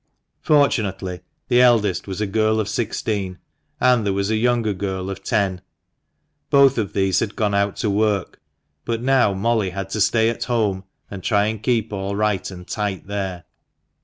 Fortunately, the eldest was a girl of sixteen, and there was a younger girl of ten. Both of these had gone out to work, but now Molly had to stay at home and try to keep all right and tight there.